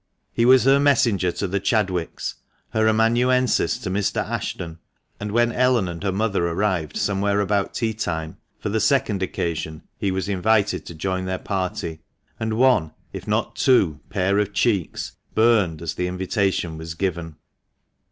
He was her messenger to the Chadwicks, her amanuensis to Mr. Ashton, and when Ellen and her mother arrived somewhere about tea time for the second occasion he was invited to join their party ; and one, if not two, pair of cheeks burned as the invitation was given.